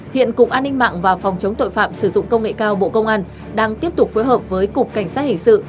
hiện cục an ninh mạng và phòng chống tội phạm sử dụng công nghệ cao bộ công an đang tiếp tục phối hợp với cục cảnh sát hình sự